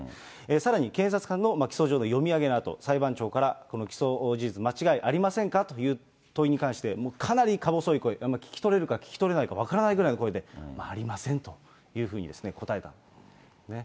さらに、検察官の起訴状の読み上げのあと、裁判長からこの起訴事実、間違いありませんかという問いに関して、かなりか細い声、聞き取れるか聞き取れないか分からないぐらいの声で、ありませんというふうに答えたんですね。